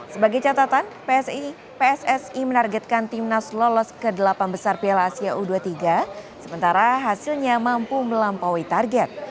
sebagai catatan pssi menargetkan timnas lolos ke delapan besar piala asia u dua puluh tiga sementara hasilnya mampu melampaui target